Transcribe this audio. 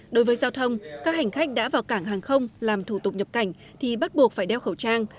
đối với giao thông các hành khách đã vào cảng hàng không làm thủ tục nhập cảnh thì bắt buộc phải đeo khẩu trang